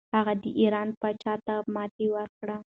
هغه د ایران پاچا ته ماتې ورکړه.